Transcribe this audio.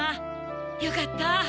よかった！